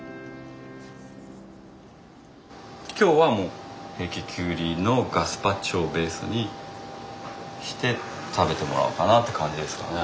今日はもう平家キュウリのガスパチョをベースにして食べてもらおうかなって感じですかね。